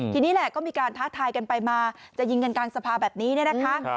ทีนี้แหละก็มีการท้าทายกันไปมาจะยิงกันกลางสภาแบบนี้เนี่ยนะคะ